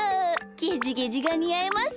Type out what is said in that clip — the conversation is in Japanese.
ゲジゲジがにあいますね。